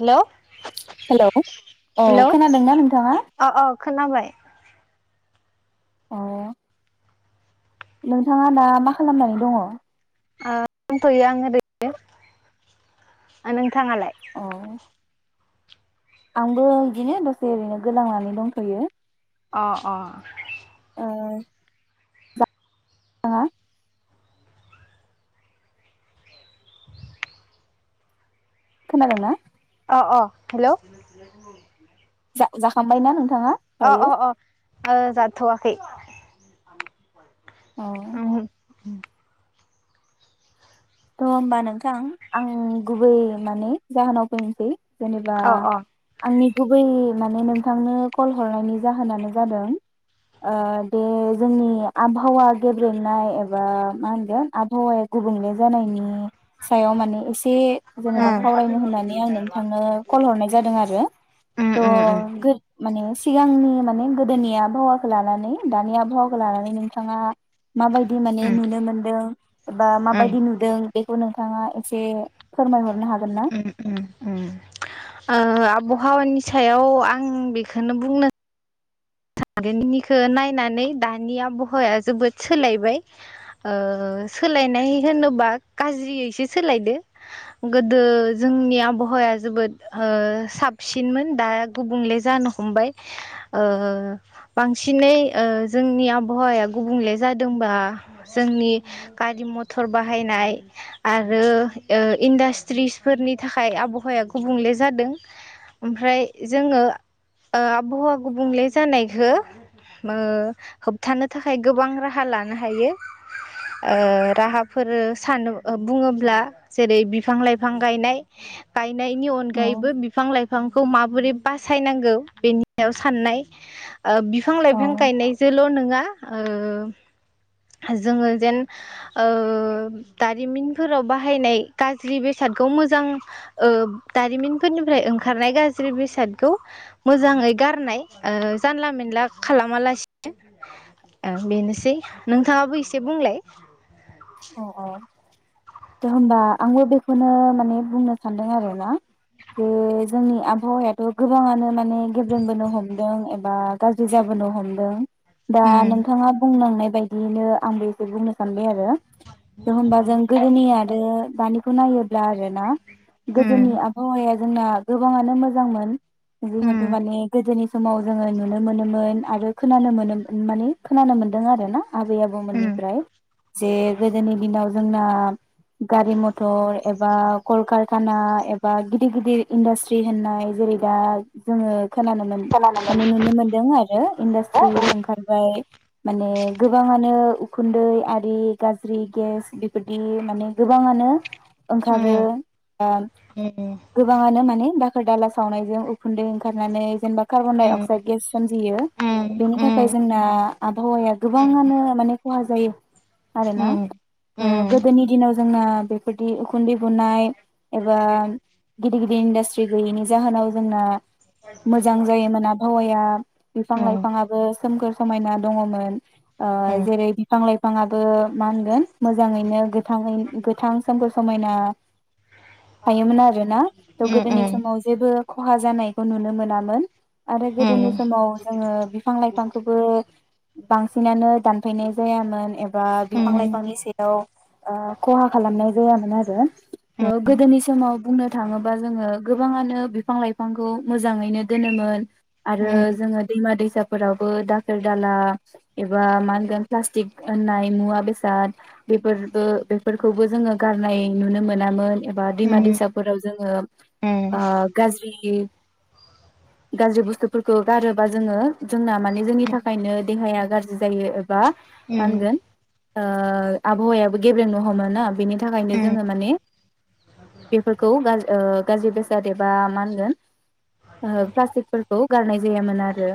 Hello hello औ hello खोनादोंना नोंथाङा? अ अ खोनाबाय? अ नोंथाङा दा मा खालामनानै दङ? ओ दंथ'यो आं ओरै आनों थाङालाय आंबो इदिनो दसे ओरैनो गोलांनानै दंथ'यो अ अ ओ आ खोनादोंना? अ अ हेलौ जा जाखांबायना नों अ अ अ ओ जाथ'वाखै अ [unintelligible] [inaudible] त'होमबा नोंथां आं गुबै माने जाहोनाव फैनोसै जेनेबा अ अ आंनि गुबै माने नोंथांनो कल हरनायनि जाहोनानो जादों ओ दे जोंनि आबहावा गेब्रेंनाय एबा मा होनगोन आबहावाया गुबुंले जानायनि सायाव माने एसे जेनेबा उम सावरायनो होननानै आं नोंथांनो कल हरनाय जादों आरो उम उम थ' गो माने सिगांनि माने गोदोनि आबहावाखौ लानानै दानि आबहावाखौ लानानै नोंथाङा माबायदि माने उम नुनो मोनदों एबा उम माबायदि नु बेखौ नोंथाङा एसे फोरमायहरनो हागो उम उम उम ओ आब हावानि सायाव आं बेखोनो बुंनो [unintelligible] नायनानै दानि आबहावाया जोबोद सोलायबाय ओ सोलायनाय होनोबा गाज्रियैसो सोलायदो गोदो जोंनि आबहावाया जोबोद ओ साबसिनमोन दा गुबुंले जानो हमबाय ओ बांसिनै ओ जोंनि आबहावाया गुबुंले जादोंबा जोंनि गारि मथर बाहायनाय आरो ओ इन्डास्ट्रिसफोरनि थाखाय आबहावाया गुबुंले जादों ओमफाय जोङो ओ आबहावा गुबुंले जानाय खो ओ होबथानो थाखाय गोबां राहा लानो हायो ओ राहाफोर सानो ओ बुङोब्ला जेरै बिफां लाइफां गायनाय गायनायनि औ अनगायैबो बिफां लाइफांखौ माबोरै बासायनांगौ बेनियाव साननाय ओ बिफां औ लाइफां गायनायजोल' नोङा ओ जोङो जेन ओ दारिमिनफोराव बाहायनाय गाज्रि बेसादखौ मोजां ओ दारिमिनफोरनिफ्राय ओंखारनाय गाज्रि बेसादखौ मोजाङै गारनाय ओ जानला मोनला खालामालासिनो ओ बेनोसै नोंथाङाबो एसे बुंलाय औ औ दे होनबा आंबो बेखौनो माने बुंनो सानदों आरोना बे जोंनि आबहावायाथ' गोबाङानो माने गेब्रेंबोनो हमदों एबा गाज्रि जाबोनो हमदों दा उम नोंथाङा बुंनाय बायदियैनो आंबो एसे बुंनो सानबाय आरो थ होमबा जों गोदोनि आरो दानि खौ नायोब्ला आरोना? उम गोदोनि आबहावाया जोंना गोबाङानो मोजांमोन जिहेतु उम माने गोदोनि समाव जोङो नुनो मोनोमोन आरो खोनानो मोनोम माने खोनानो मोन्दों आरो ना आबै आबौमोननिफ्राय जे गोदोनि दिनाव जोंना गारि मथर एबा कलकारखाना एबा गिदिर गिदिर इन्डास्ट्रि होननाय जेरै दा जोङो खोनानो माने नुनो मोन्दों आरो इन्डास्ट्रि ओंखारबाय माने गोबाङानो। उखुन्दै आरि गाज्रि गेस बेबायदि माने गोबाङानो ओंखारो ओ गोबाङानो माने बाग फोर दाला सावनायजों उखुन्दै ओंखारनानै जेनेबा कार्बन दडाइ अक्साइड गेस सोमजियो बेनि थाखाय जोंना आबहावाया गोबाङानो माने खहा जायो। आरो ना थ' गोदोनि दिनाव जोंना बेफोरदि उखुन्दै नाय एबा गिदिर गिदिर इन्डास्ट्रि गैयिनि जाहोनाव जोंना मोजां जायोमोन‌। आबहावाया बिफां लाइफाङाबो सोमखोर समायना दङमोन। ओ जेरै बिफां लाइफांआ ओ मा मोनगोन मोजाङैनो गोथां समखौ समायना थायोमोन आरोना गोदोनि समाव जेबो। खहा जानायखौ नुनो मोनामोन। आरो गोदोनि समाव जोङो बिफां लाइफांखौबो बांसिनानो दानफायनाय जायामोन बा बिफां लाइफांनि सायाव ओ खहा खालामनाय जायामोन आरो गोदोनि समाव बुंनो थाङोबा जोङो गोबाङानो बिफां लाइफांखौ मोजाङैनो दोनोमोन आरो जोङो दैमा दैसाफोरावबो दाखोर दाला एबा मा होनगोन प्लास्टिक होननाय मुवा बेसाद बेफोरबो बेफोरखौबो जोङो गारनाय नुनो मोनामोन एबा दैमा दैसाफोराव जोङो। आ गाज्रि गाज्रि बुस्थुफोरखौ गारोबा जोङो जोंना माने जोंनि थाखायनो देहाया गाज्रि जायो एबा। मा होनगोन ओ आबहावायाबो गेब्रें न हमोन बेनि थाखायनो जोङो माने ओ बेफोरखौ गाज्रि बेसाद एबा मा होनगोन प्लास्टिकफोरखौ गारनाय जायामोन आरो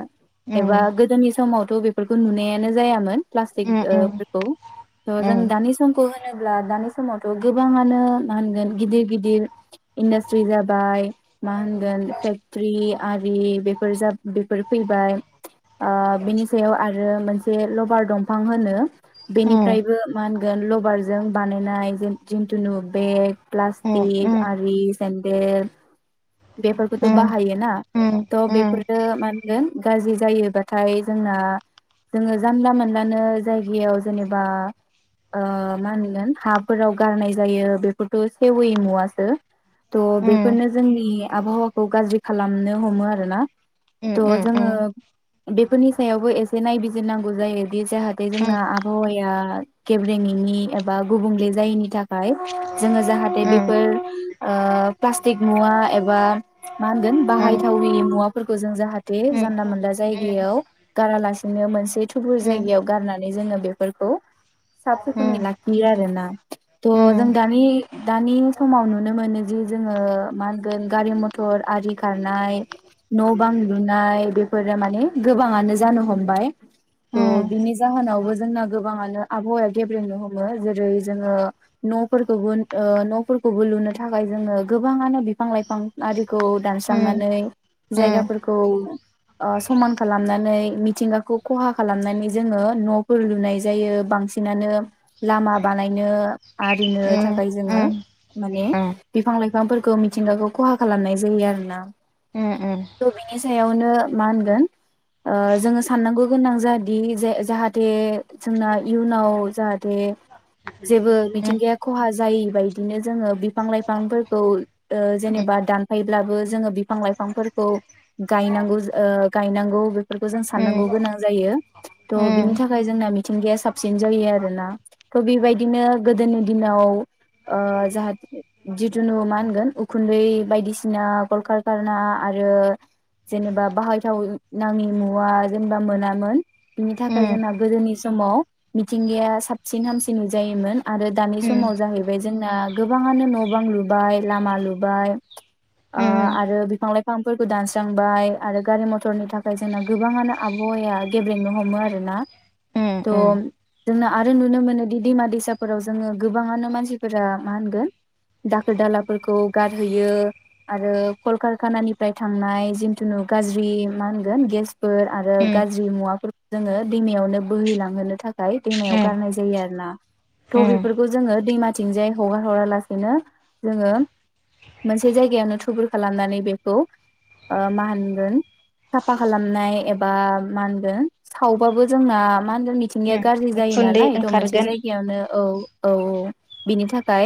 एबा गोदोनि समावथ' बेफोरखौ नुनायानो जायामोन प्ला [unintelligible] जों दानि समखौ जेब्ला दानि समावथ' गोबाङानो मा होनगोन गिदिर गिदिर इन्डास्ट्रि जाबाय मा होनगोन फेक्ट्रि आरि बेफोर बेफोर फैबाय बिनि सायाव आरो मोनसे लभार दं। बिफां होनो बेनिफ्रायबो मा होनगोन लबारजों बानायनाय जिथुुनु बेग प्लास्टिक आरि सेन्देल बेफोरखौथ' बाहायोना थ बेफोरो मान गोन गाज्रि जायोबाथाय जोंना जोङो जानला मानला दानो जायगायाव जेनेबा मा होनगोन हाफोराव गारनाय जायो बेफोरथ' सेवै मुवासो थह बेफोरनो जोंनि आबहावाखौ गाज्रि खालामनो हमो आरो ना। थ' जोङो बेफोरनि सायावबो एसे नायबिजिरनांगौ जायो। दि जाहाथे जोंना आबहावाया गेब्रेङिनि एबा गुबुंले जायैनि थाखाय जोङो जाहाथे बेफोर ओ प्लास्टिक मुवा एबा मा होनगोन बाहायथाविनि मुवाफोरखौ जों जाहाथे जानला मोनला जायगायाव गारालासेनो मोनसे थुबुर जाय याव गारनानै जोङो बेफोरखौ साब सिखोनै लाखियो आरोना थ' जों दानि दानि समाव नुनो मोनो जि जोङो मा होनगोन गारि मथर आरि खारनाय न' बां लुनाय बेफोरो माने गोबाङानो जानो हमबाय थ' बिनि जाहोनावबो जोंना गोबाङानो आबहावाया गेब्रेनो हमो जेरै जोङो न'फोरखौबो ओ न'फोरखौबो लुनो थाखाय जोङो गोबाङानो बिफां लाइफां आरि खौ दानस्रांनानै जायगाफोरखौ ओ समान खालामनानै मिथिंगाखौ खहा खालामनानै जोङो न'फोर लुनाय जायो बांसिनानो लामा बानायनो आरिनो थाखाय जोङो माने बिफां लाइफांफोरखौ मिथिंगाखौ खहा खालामनाय जायो आरोना थ' बिनि सायावनो मा होनगोन ओ जोङो साननांगौ गोनां जा दि जे जाहाथे जोंना इयुनाव जाहाथे जेबो मिथिंगाया खहा जायै बायदिनो जोङो बिफां लाइफांफोरखौ ओ जेनेबा दानफायोब्लाबो जोङो बिफां लाइफांफोरखौ गायनांगौ ओ गायनांगौ बे फोरखौ जों साननांगौ गोनां जायो। थ' बिनि थाखाय जोंना मिथिंगाया साबसिन जायो आरोना थ' बिबायदिनो गोदोनि दिनाव ओ जाह जिथुनु मा होनगोन उखुन्दै बायदिसिना गलकखारा आरो जेनेबा बाहायथाव नाङि मुवा जेनेबा मोनामोन। बिनि थाखाय जोंना गोदोनिस समाव मिथिंगाया साबसिन हामसिन नुजायोमोन। आरो दानि समाव जाहैबाय जों ना गोबाङानो न' बां लुबाय लामा लुबाय ओ आरो बिफां लाइफांफोरखौ दानस्रांबाय आरो गारि मथरनि थाखाय जोंना गोबाङानो आबहावाया गेब्रेंनो हमो आरो ना थ' जोंना आरो नुनो मोनोदि दैमा दैसाफोराव जोङो गोबाङानो मानसिफोरा मा होनगोन दाखोर दालाफोरखौ गारहैयो आरो कलकारखानानिफ्राय थांनाय जिनथुुनु गाज्रि मा होनगोन गेस फोर आरो गाज [unintelligible] जोङो दैमायावनो बोहैलांहोनो था खाय दैमायाव गारनाय जायो आरो ना। थ' बेफोरखौ जोङो दैमाथिंजाय हगार हरा लासेनो जोङो मोनसे जायगायावनो थुबुर खालामनानै बेखौ ओ मा होनगोन साफा खालामनाय एबा मा होनगोन सावबाबो जोंना मा होनगोन मि थिंगाया गाज्रि जायो उखुन्दै नालाय थ' मोनसे ओंखारगोन जायगायावनो औ औ औ बिनि थाखाय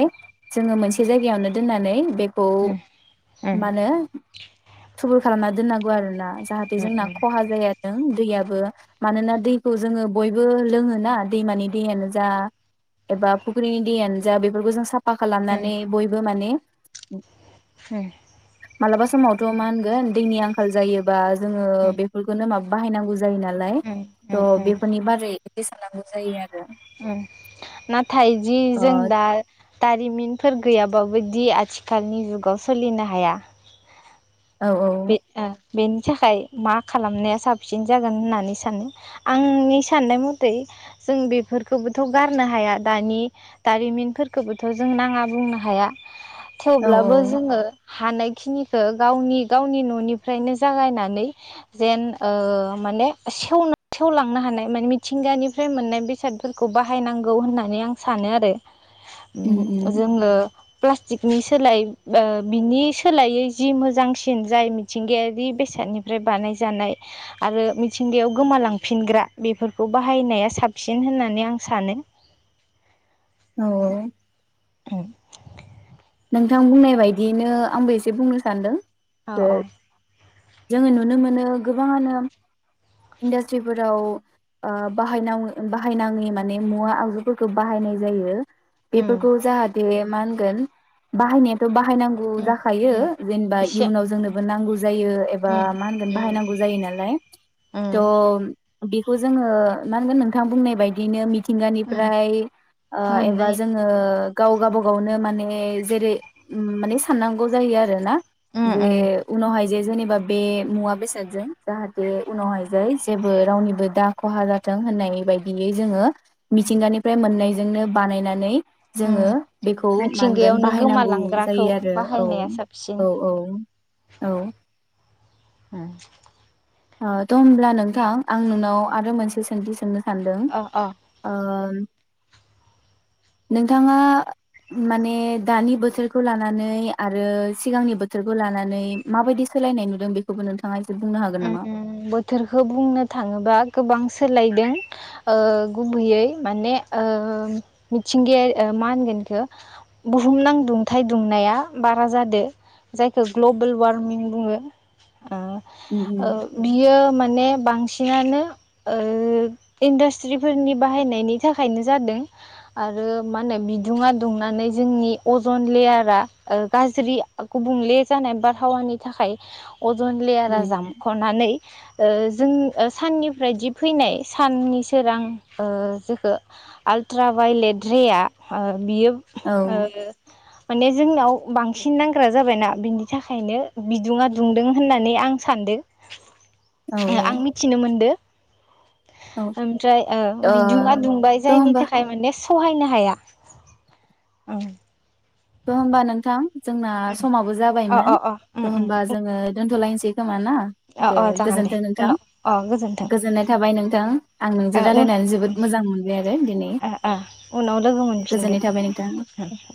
जोङो मोनसे जायगायावनो दोननानै बेखौ उम उम मानो थुबुर खालामना दोननांगौ आरोना जाहाथे उम जोंना उम खहा जाया। [unintelligible] दैयाबो मानोना दैखौ जोङो बयबो लोङोना दैमानि दैयानो जा एबा फुख्रिनि दैयानो जा बेफोरखौ जों साफा उम खालामनानै बयबो माने मालाबा समावथ' मा होनगोन दैनि आंखाल जायोबा जोङो बेफोरखौनो माब बाहायनांगौ जायो नालाय उम त उम उम बेफोरनि बारै एसे साननांगौ जायो आरो। नाथाय जि अ जों दा दारिमिनफोर गैयाबाबो दि आथिखालनि जुगाव सोलिनो हाया औ औ बे ओ बेनि थाखाय मा खालामनाया साबसिन जागोन होननानै सानो आंनि साननाय मथै जों बेफोरखौबोथ गारनो हाया दानि दारिमिनफोरखौबोथ जों नाङा बुंनो हाया। औ थेवब्लाबो जोङो हानाय खिनिखो गावनि गावनि ननिफ्रायनो जागायनानै जेन ओ माने सेवनो सेवलांनो हानाय माने मिथिंगानिफ्राय मोननाय बेसादफोरखौ बाहायनांगौ होननानै आं सानो आरो। उम जोङो प्लास्टिकनि सोलाय ओ बिनि सोलायै जि मोजां सिन जाय मिथिंगायारि बेसादनिफ्राय बानायजानाय आरो मिथिंगायाव गोमालांफिनग्रा बेफोरखौ बाहायनाया साबसिन होननानै आं सानो। औ औ उम नोंथां बुंनाय बायदियैनो आंबो एसे बुंनो सान्दों। औ औ जोङो नुनो मोनो गोबाङानो इन्डास्ट्रिफोराव ओ बाहायना बाहायनाङि माने मुवा आगजुफोरखौ बाहायनाय जायो। उम बेफोरखौ जाहाथे मा होनगोन बाहायनायाथ बाह बाहायनांगौ उम जाखायो उम जेनेबा इसे इयुनाव जोंनोबो नांगौ जायो एबा उम मा होनगोन बाहायनांगौ जायो नालाय। त उम बेखौ जोङो मा होनगोन नोंथां बुंनाय बायदिनो मिथि उम थिंगानिफ्राय ओ एबा मोननाय जोङो गाव गाबागावनो माने जेरै उम माने साननांगौ जायो आरो ना? उम जे उम उनावहाय जे जेनिबा बे मुवा बेसादजों जाहाथे उनावहाय जे जेबो रावनिबो दा खहा जाथों होननाय बायदियै जोङो मिथिंगानिफ्राय मोननायजोंनो बानायनानै जोङो उम बेखौ मा होनगोन मिथिंगायावनो बाहायनांगौ गोमालांग्राखौ जायो आरो औ बाहायनाया साबसिन। औ औ। औ हम त हब्ला नोंथां आं नोंनाव आरो मोनसे सोंथि सोंनो सानदों। अ अ ओ नोंथाङा माने दानि बोथोरखौ लानानै आरो सिगांनि बोथोरखौ लानानै माबायदि सोलायनाय नुदों बेखौबो नोंथाङा एसे बुंनो हागोन नामा? उम बोथोरखौ बुंनो थाङोबा गोबां सोलायदों। गुबैयै माने ओ मिथिंगायारि मा होनगोन बेखौ बुहुमनां दुंथाय दुंनाया बारा जादो जायखौ ग्लबेलवार्मिं बुङो। ओ उम ओ उम बियो मा ने बांसिनानो ओ इन्डास्ट्रिफोरनि बाहायनायनि थाखायनो जादों आरो मा होनो बिदुंया दुंनानै जोंनि अजन लेयारा गाज्रि गुबुंले जानाय बारहावानि थाखाय अजन लेयारा उम जाम खनानै ओ जों साननिफ्रायदि फैनाय साननि सोरां ओ जोखो आलर्ट्राभायलेटरेया ओ बियो औ ओ माने जोंनाव बांसिन नांग्रा जाबायना बिनि थाखायनो बिदुुंया दुंदो होननानै आं सानदो। आं मिथिनो मोनदो। औ ओमफ्राय ओ बिदुुंया दुंबाय थ' जायनि होमबा थाखाय माने सहायनो हाया। दे होमबा नोंथां जोंना समाबो अ जाबायमोन अ अ उम त उम होमबा जोङो दोनथ'लायनो [unintelligible] सै खोमा ना अ दे अ जागोन दे गोजोनथों नोंथां उनाव अ गोजोन्थों गोजोननाय थाबाय नोंथां आं नोंजों ओ उन रायलायनानै जोबोद मोजां मोनबाय आरो दिनै ओ ओ उनाव लोगो मोनफिनगोन गोजोननाय थाबाय नोंथां उम उम